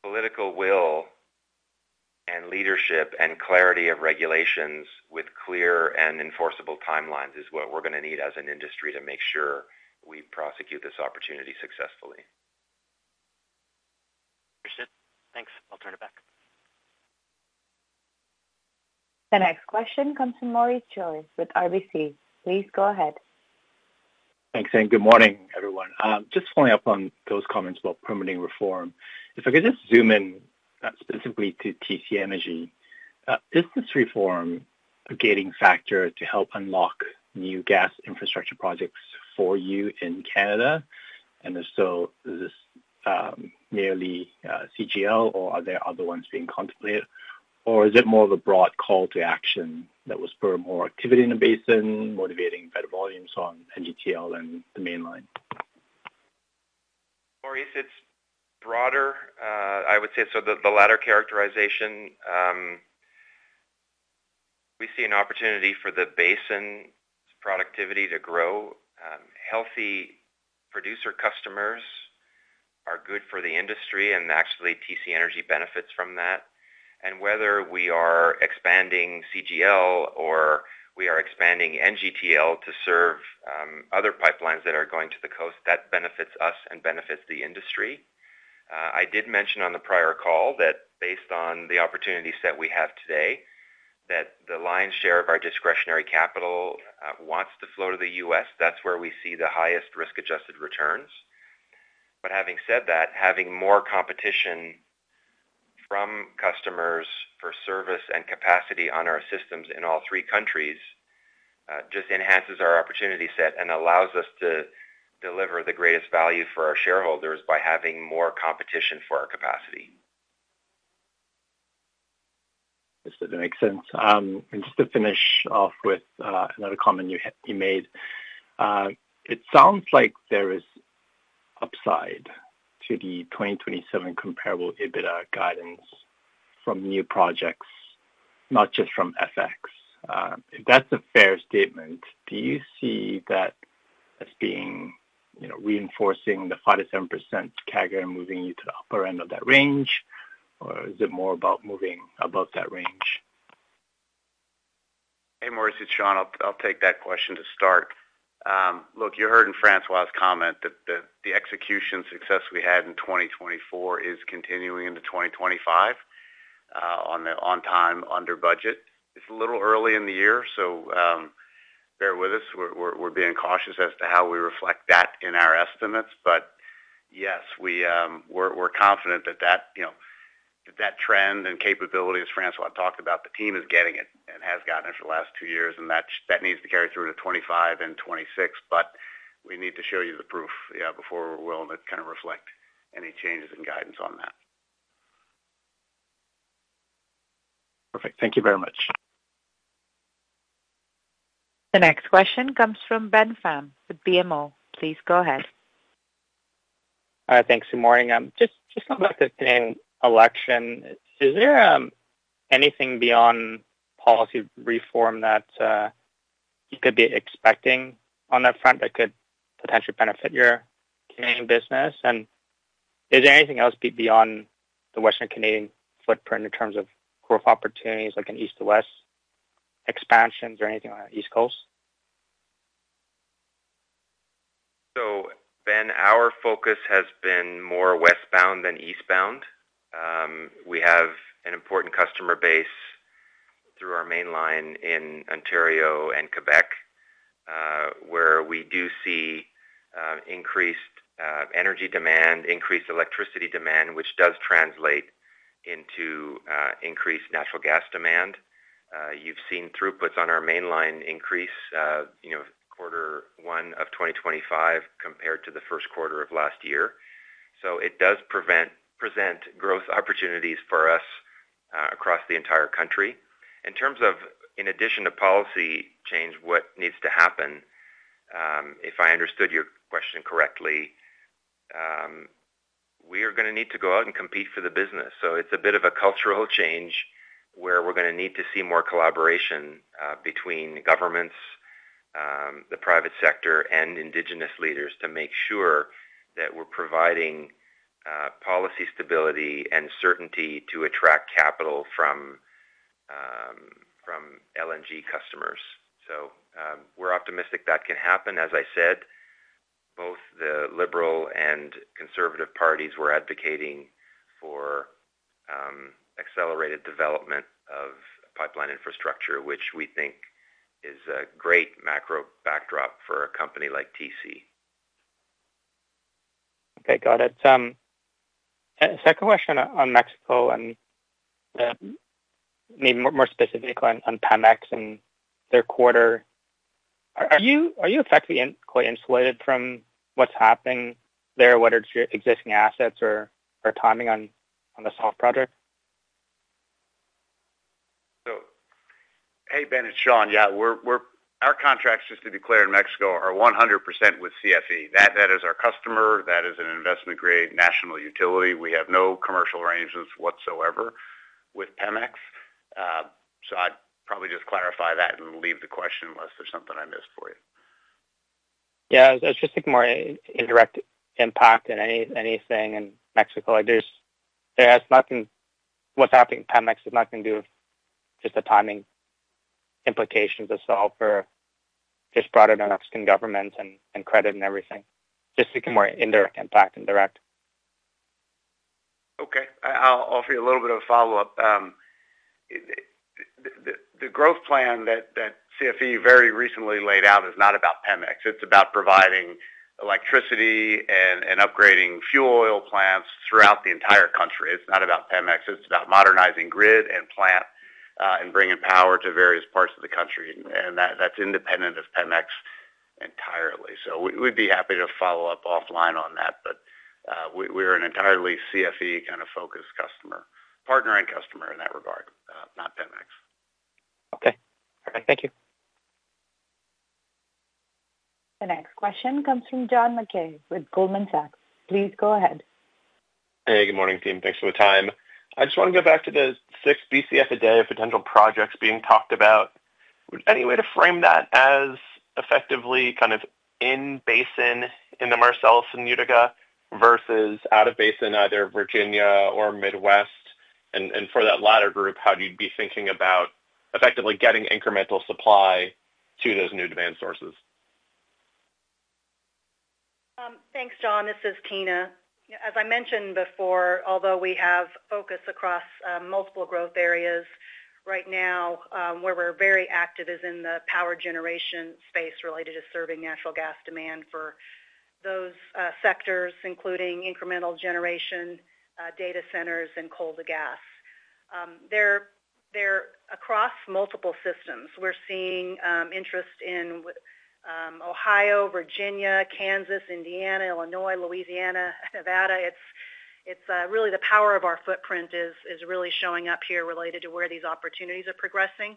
political will and leadership and clarity of regulations with clear and enforceable timelines is what we're going to need as an industry to make sure we prosecute this opportunity successfully. Understood. Thanks. I'll turn it back. The next question comes from Maurice Joyce with RBC. Please go ahead. Thanks, Aaron. Good morning, everyone. Just following up on those comments about permitting reform. If I could just zoom in specifically to TC Energy, is this reform a gating factor to help unlock new gas infrastructure projects for you in Canada? If so, is this merely CGL, or are there other ones being contemplated? Is it more of a broad call to action that will spur more activity in the basin, motivating better volumes on NGTL and the mainline? Maurice, it's broader, I would say. The latter characterization, we see an opportunity for the basin's productivity to grow. Healthy producer customers are good for the industry, and actually, TC Energy benefits from that. Whether we are expanding CGL or we are expanding NGTL to serve other pipelines that are going to the coast, that benefits us and benefits the industry. I did mention on the prior call that based on the opportunities that we have today, the lion's share of our discretionary capital wants to flow to the U.S. That's where we see the highest risk-adjusted returns. Having said that, having more competition from customers for service and capacity on our systems in all three countries just enhances our opportunity set and allows us to deliver the greatest value for our shareholders by having more competition for our capacity. Yes, that makes sense. Just to finish off with another comment you made, it sounds like there is upside to the 2027 comparable EBITDA guidance from new projects, not just from FX. If that's a fair statement, do you see that as being reinforcing the 5-7% CAGR and moving you to the upper end of that range? Or is it more about moving above that range? Hey, Maurice, it's Sean. I'll take that question to start. Look, you heard in François's comment that the execution success we had in 2024 is continuing into 2025 on time under budget. It's a little early in the year, so bear with us. We're being cautious as to how we reflect that in our estimates. Yes, we're confident that that trend and capability, as François talked about, the team is getting it and has gotten it for the last two years. That needs to carry through into 2025 and 2026. We need to show you the proof before we're willing to kind of reflect any changes in guidance on that. Perfect. Thank you very much. The next question comes from Ben Pham with BMO. Please go ahead. Hi, thanks. Good morning. Just about the Canadian election, is there anything beyond policy reform that you could be expecting on that front that could potentially benefit your Canadian business? Is there anything else beyond the Western Canadian footprint in terms of growth opportunities like an east to west expansions or anything on the East Coast? Ben, our focus has been more westbound than eastbound. We have an important customer base through our mainline in Ontario and Quebec, where we do see increased energy demand, increased electricity demand, which does translate into increased natural gas demand. You've seen throughputs on our mainline increase quarter one of 2025 compared to the first quarter of last year. It does present growth opportunities for us across the entire country. In addition to policy change, what needs to happen, if I understood your question correctly, we are going to need to go out and compete for the business. It's a bit of a cultural change where we're going to need to see more collaboration between governments, the private sector, and indigenous leaders to make sure that we're providing policy stability and certainty to attract capital from LNG customers. We're optimistic that can happen. As I said, both the Liberal and Conservative parties were advocating for accelerated development of pipeline infrastructure, which we think is a great macro backdrop for a company like TC. Okay. Got it. Second question on Mexico and maybe more specifically on Pemex and their quarter. Are you effectively quite insulated from what's happening there? Whether it's your existing assets or timing on the soft project? Hey, Ben, it's Sean. Yeah, our contracts, just to be clear, in Mexico are 100% with CFE. That is our customer. That is an investment-grade national utility. We have no commercial arrangements whatsoever with Pemex. I'd probably just clarify that and leave the question unless there's something I missed for you. Yeah, it's just more indirect impact than anything in Mexico. What's happening in Pemex is not going to do just the timing implications of software just brought in by Mexican government and credit and everything. Just more indirect impact than direct. Okay. I'll offer you a little bit of a follow-up. The growth plan that CFE very recently laid out is not about Pemex. It's about providing electricity and upgrading fuel oil plants throughout the entire country. It's not about Pemex. It's about modernizing grid and plant and bringing power to various parts of the country. That is independent of Pemex entirely. We would be happy to follow up offline on that. We are an entirely CFE kind of focused customer, partner and customer in that regard, not Pemex. Okay. All right. Thank you. The next question comes from John MacKay with Goldman Sachs. Please go ahead. Hey, good morning, team. Thanks for the time. I just want to go back to the 6 BCF a day of potential projects being talked about. Would any way to frame that as effectively kind of in basin in the Marcellus and Utica versus out of basin, either Virginia or Midwest? For that latter group, how do you be thinking about effectively getting incremental supply to those new demand sources? Thanks, John. This is Tina. As I mentioned before, although we have focus across multiple growth areas right now, where we're very active is in the power generation space related to serving natural gas demand for those sectors, including incremental generation, data centers, and coal to gas. They're across multiple systems. We're seeing interest in Ohio, Virginia, Kansas, Indiana, Illinois, Louisiana, Nevada. It's really the power of our footprint is really showing up here related to where these opportunities are progressing.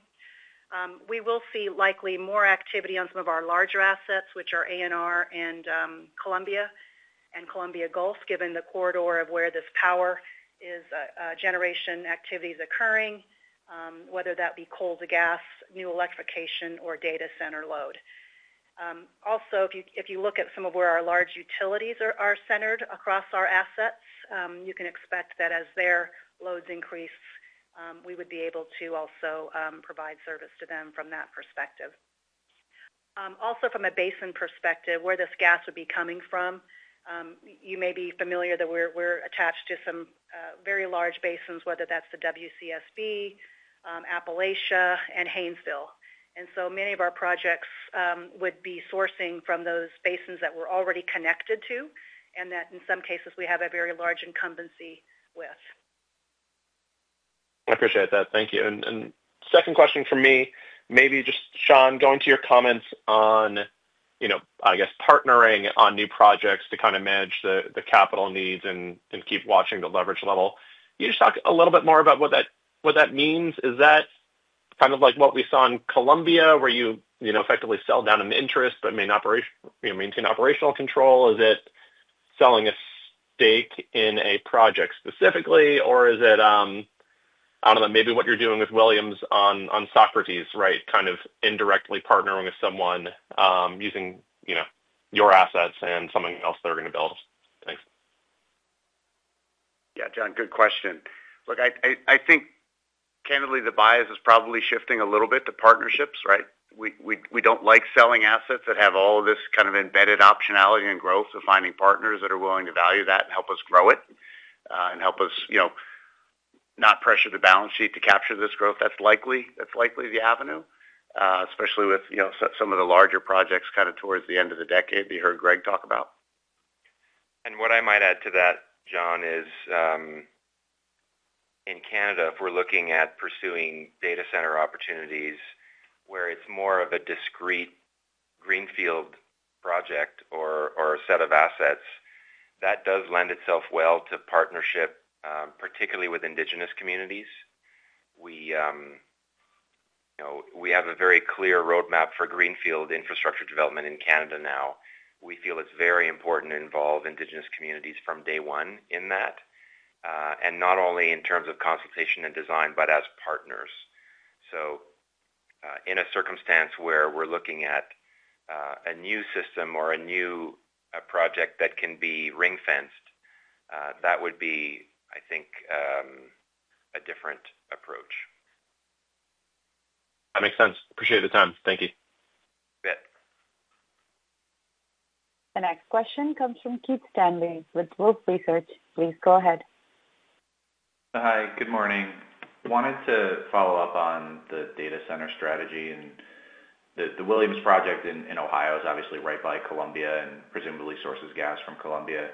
We will see likely more activity on some of our larger assets, which are ANR and Columbia and Columbia Gulf, given the corridor of where this power generation activity is occurring, whether that be coal to gas, new electrification, or data center load. Also, if you look at some of where our large utilities are centered across our assets, you can expect that as their loads increase, we would be able to also provide service to them from that perspective. Also, from a basin perspective, where this gas would be coming from, you may be familiar that we're attached to some very large basins, whether that's the WCSB, Appalachia, and Haynesville. And so many of our projects would be sourcing from those basins that we're already connected to and that in some cases we have a very large incumbency with. I appreciate that. Thank you. Second question for me, maybe just, Sean, going to your comments on, I guess, partnering on new projects to kind of manage the capital needs and keep watching the leverage level. Can you just talk a little bit more about what that means? Is that kind of like what we saw in Columbia, where you effectively sell down an interest but maintain operational control? Is it selling a stake in a project specifically, or is it, I do not know, maybe what you are doing with Williams on Socrates, right, kind of indirectly partnering with someone using your assets and something else they are going to build? Thanks. Yeah, John, good question. Look, I think candidly, the bias is probably shifting a little bit to partnerships, right? We do not like selling assets that have all of this kind of embedded optionality and growth of finding partners that are willing to value that and help us grow it and help us not pressure the balance sheet to capture this growth. That is likely the avenue, especially with some of the larger projects kind of towards the end of the decade that you heard Greg talk about. What I might add to that, John, is in Canada, if we are looking at pursuing data center opportunities where it is more of a discrete greenfield project or a set of assets, that does lend itself well to partnership, particularly with indigenous communities. We have a very clear roadmap for greenfield infrastructure development in Canada now. We feel it's very important to involve Indigenous communities from day one in that, and not only in terms of consultation and design, but as partners. In a circumstance where we're looking at a new system or a new project that can be ring-fenced, that would be, I think, a different approach. That makes sense. Appreciate the time. Thank you. Good. The next question comes from Keith Stanley with Wolfe Research. Please go ahead. Hi, good morning. Wanted to follow up on the data center strategy. The Williams project in Ohio is obviously right by Columbia and presumably sources gas from Columbia.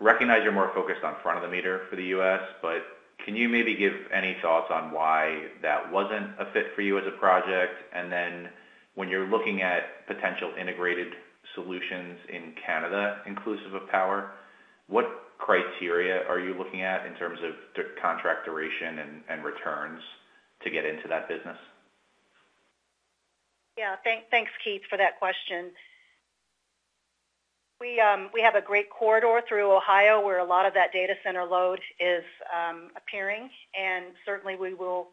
Recognize you're more focused on front of the meter for the U.S., but can you maybe give any thoughts on why that wasn't a fit for you as a project? When you're looking at potential integrated solutions in Canada, inclusive of power, what criteria are you looking at in terms of contract duration and returns to get into that business? Yeah. Thanks, Keith, for that question. We have a great corridor through Ohio where a lot of that data center load is appearing. We will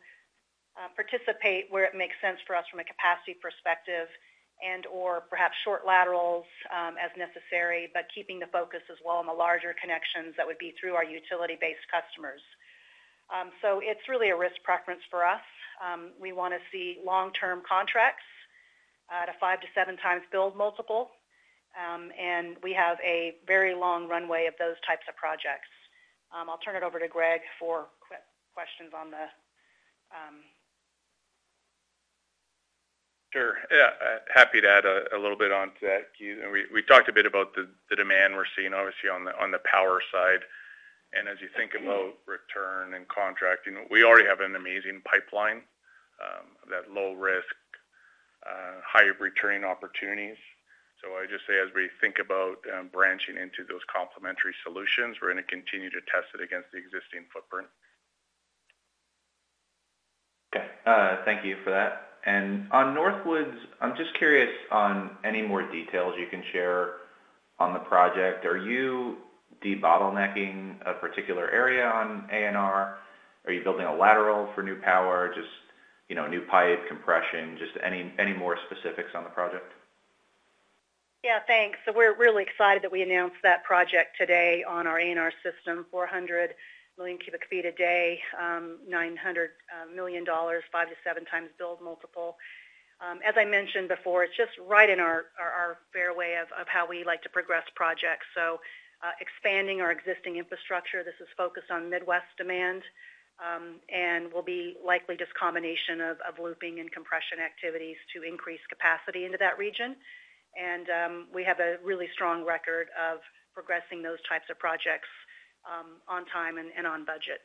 participate where it makes sense for us from a capacity perspective and/or perhaps short laterals as necessary, keeping the focus as well on the larger connections that would be through our utility-based customers. It is really a risk preference for us. We want to see long-term contracts at a five to seven times build multiple. We have a very long runway of those types of projects. I'll turn it over to Greg for questions on the. Sure. Happy to add a little bit on to that. We talked a bit about the demand we're seeing, obviously, on the power side. As you think about return and contracting, we already have an amazing pipeline, that low risk, high returning opportunities. I just say, as we think about branching into those complementary solutions, we're going to continue to test it against the existing footprint. Okay. Thank you for that. On Northwoods, I'm just curious on any more details you can share on the project. Are you debottlenecking a particular area on ANR? Are you building a lateral for new power, just new pipe compression, just any more specifics on the project? Yeah, thanks. We're really excited that we announced that project today on our ANR system, 400 million cubic feet a day, $900 million, five- to seven-times build multiple. As I mentioned before, it's just right in our fairway of how we like to progress projects. Expanding our existing infrastructure, this is focused on Midwest demand, and will be likely just a combination of looping and compression activities to increase capacity into that region. We have a really strong record of progressing those types of projects on time and on budget.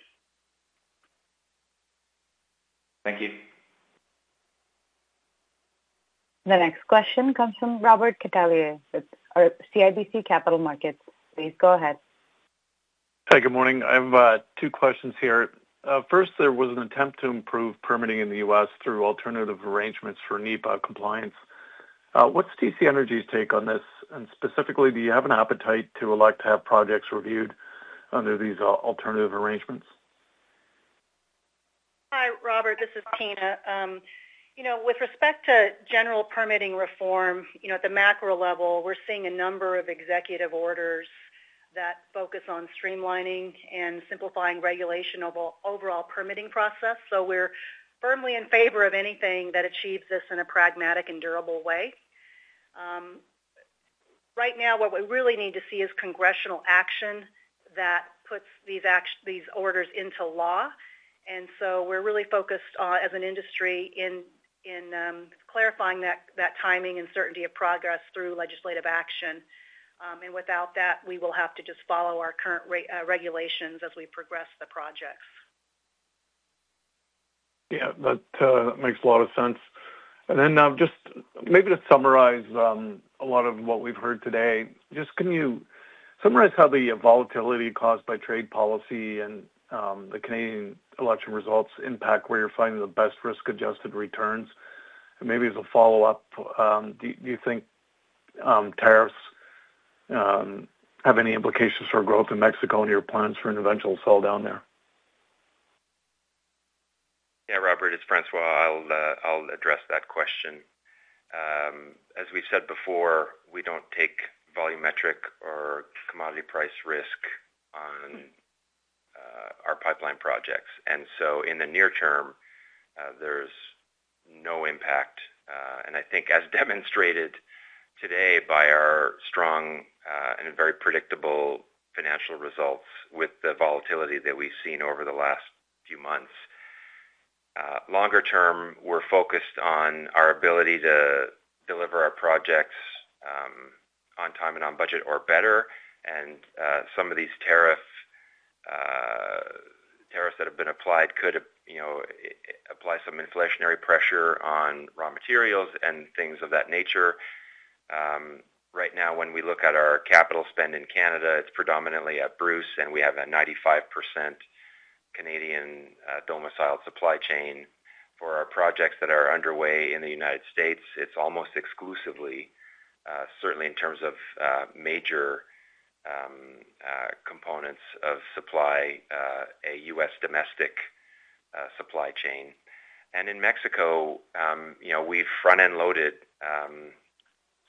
Thank you. The next question comes from Robert Cattelier with CIBC Capital Markets. Please go ahead. Hi, good morning. I have two questions here. First, there was an attempt to improve permitting in the U.S. through alternative arrangements for NEPA compliance. What is TC Energy's take on this? Specifically, do you have an appetite to elect to have projects reviewed under these alternative arrangements? Hi, Robert. This is Tina. With respect to general permitting reform at the macro level, we're seeing a number of executive orders that focus on streamlining and simplifying regulation of the overall permitting process. We are firmly in favor of anything that achieves this in a pragmatic and durable way. Right now, what we really need to see is congressional action that puts these orders into law. We are really focused as an industry in clarifying that timing and certainty of progress through legislative action. Without that, we will have to just follow our current regulations as we progress the projects. Yeah, that makes a lot of sense. Just maybe to summarize a lot of what we've heard today, can you summarize how the volatility caused by trade policy and the Canadian election results impact where you're finding the best risk-adjusted returns? Maybe as a follow-up, do you think tariffs have any implications for growth in Mexico and your plans for an eventual sell down there? Yeah, Robert, it's François. I'll address that question. As we've said before, we don't take volumetric or commodity price risk on our pipeline projects. In the near term, there's no impact. I think, as demonstrated today by our strong and very predictable financial results with the volatility that we've seen over the last few months, longer term, we're focused on our ability to deliver our projects on time and on budget or better. Some of these tariffs that have been applied could apply some inflationary pressure on raw materials and things of that nature. Right now, when we look at our capital spend in Canada, it's predominantly at Bruce, and we have a 95% Canadian domiciled supply chain for our projects that are underway. In the United States, it's almost exclusively, certainly in terms of major components of supply, a U.S. domestic supply chain. In Mexico, we have front-end loaded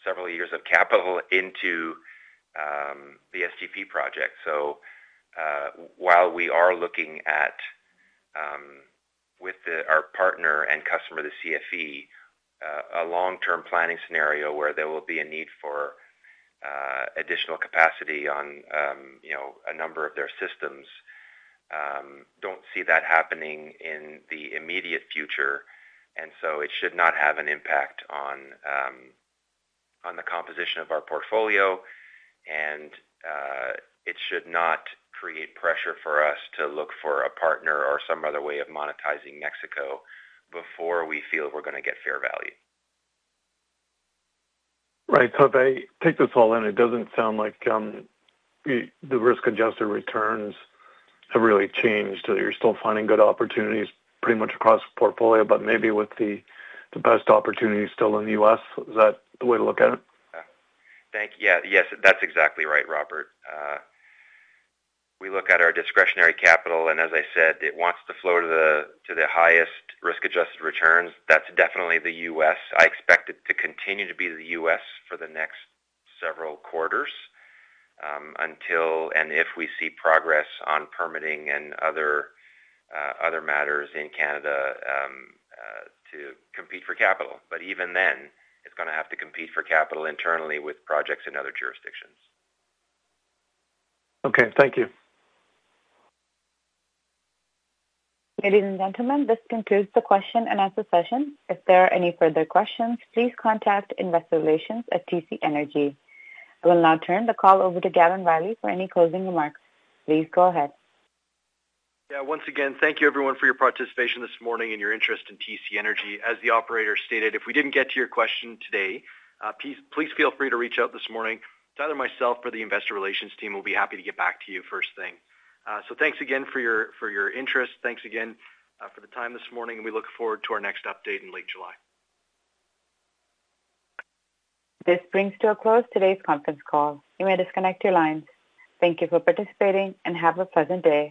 several years of capital into the STP project. While we are looking at, with our partner and customer, the CFE, a long-term planning scenario where there will be a need for additional capacity on a number of their systems, I do not see that happening in the immediate future. It should not have an impact on the composition of our portfolio, and it should not create pressure for us to look for a partner or some other way of monetizing Mexico before we feel we are going to get fair value. Right. If I take this all in, it doesn't sound like the risk-adjusted returns have really changed. You're still finding good opportunities pretty much across the portfolio, but maybe with the best opportunity still in the U.S. Is that the way to look at it? Yeah. Yes, that's exactly right, Robert. We look at our discretionary capital, and as I said, it wants to flow to the highest risk-adjusted returns. That's definitely the U.S. I expect it to continue to be the U.S. for the next several quarters until, and if we see progress on permitting and other matters in Canada to compete for capital. Even then, it's going to have to compete for capital internally with projects in other jurisdictions. Okay. Thank you. Ladies and gentlemen, this concludes the question and answer session. If there are any further questions, please contact Investor Relations at TC Energy. I will now turn the call over to Gavin Wylie for any closing remarks. Please go ahead. Yeah. Once again, thank you, everyone, for your participation this morning and your interest in TC Energy. As the operator stated, if we did not get to your question today, please feel free to reach out this morning. Tyler, myself, or the Investor Relations team will be happy to get back to you first thing. Thank you again for your interest. Thank you again for the time this morning. We look forward to our next update in late July. This brings to a close today's conference call. You may disconnect your lines. Thank you for participating and have a pleasant day.